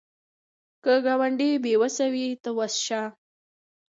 که ګاونډی بې وسه وي، ته وس شه